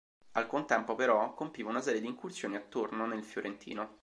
Al contempo, però, compiva una serie di incursioni attorno nel Fiorentino.